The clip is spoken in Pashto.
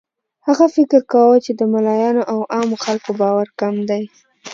هغه فکر کاوه چې د ملایانو او عامو خلکو باور کم دی.